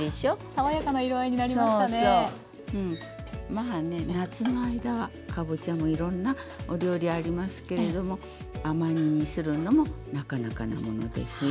まあね夏の間はかぼちゃもいろんなお料理ありますけれども甘煮にするのもなかなかのものですよ。